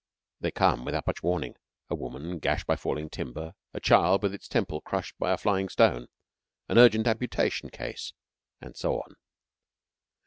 They come without much warning a woman gashed by falling timber; a child with its temple crushed by a flying stone; an urgent amputation case, and so on.